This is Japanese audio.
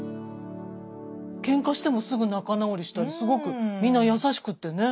ケンカしてもすぐ仲直りしたりすごくみんな優しくってね。